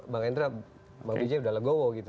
bang endra bang biji udah legowo gitu